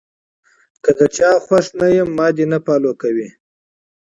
کۀ د چا خوښ نۀ يم ما دې نۀ فالو کوي -